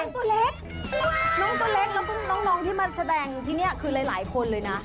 น้องตัวเล็กแล้วก็น้องที่มาแสดงอยู่ที่นี่คือหลายคนเลยนะ